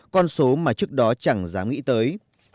con số mà trước đó chẳng dám nghĩ tới